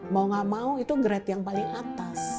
mau gak mau itu grade yang paling atas